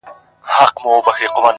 دعوه د سړيتوب دي لا مشروطه بولمیاره ,